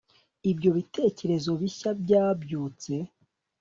ibyo bitekerezo bishya byabyutse